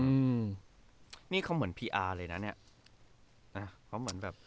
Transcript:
อืมนี่เขาเหมือนพีอาร์เลยนะเนี่ย